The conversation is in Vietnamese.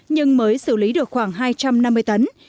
nhưng mới xử lý được khoảng hai trăm năm mươi tấn